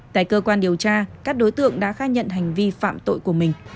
tại cơ quan điều tra các đối tượng đã khai nhận hành vi phạm tội của mình